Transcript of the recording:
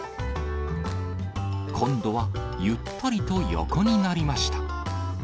今度は、ゆったりと横になりました。